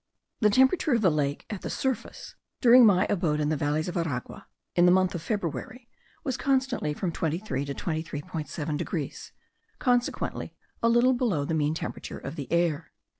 The temperature of the lake at the surface during my abode in the valleys of Aragua, in the month of February, was constantly from 23 to 23.7 degrees, consequently a little below the mean temperature of the air.